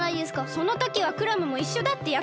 そのときはクラムもいっしょだってやくそくしたじゃん！